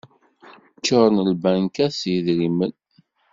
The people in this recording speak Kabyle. Ččuren lbankat s yidrimen.